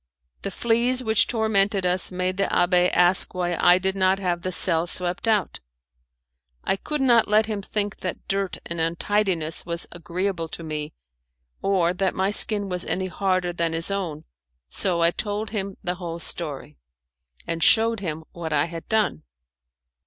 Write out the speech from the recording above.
The fleas which tormented us made the abbé ask why I did not have the cell swept out. I could not let him think that dirt and untidiness was agreeable to me, or that my skin was any harder than his own, so I told him the whole story, and shewed him what I had done.